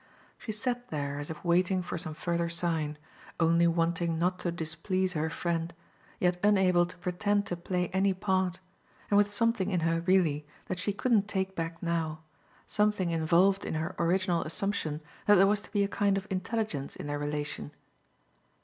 She sat there as if waiting for some further sign, only wanting not to displease her friend, yet unable to pretend to play any part and with something in her really that she couldn't take back now, something involved in her original assumption that there was to be a kind of intelligence in their relation.